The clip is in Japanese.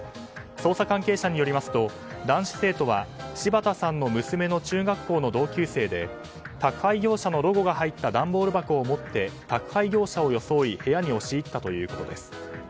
捜査関係者によりますと男子生徒は柴田さんの娘の中学校の同級生で宅配業者のロゴが入った段ボール箱を持って宅配業者を装い部屋に押し入ったということです。